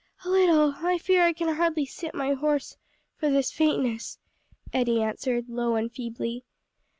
"A little; I fear I can hardly sit my horse for this faintness," Eddie answered, low and feebly.